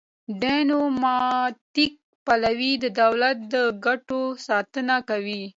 ډیپلوماتیک پلاوی د دولت د ګټو ساتنه کوي